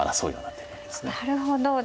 なるほど。